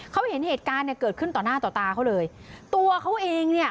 เขาเห็นเหตุการณ์เนี่ยเกิดขึ้นต่อหน้าต่อตาเขาเลยตัวเขาเองเนี่ย